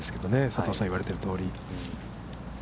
佐藤さんが言われているとおり。